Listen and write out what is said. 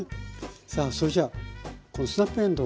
さあそれじゃあスナップえんどうをね。